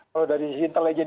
kalau dari sisi intelijen